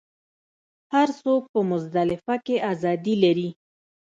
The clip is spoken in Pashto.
هر څوک په مزدلفه کې ازادي لري.